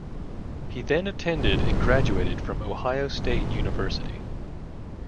He then attended and graduated from Ohio State University.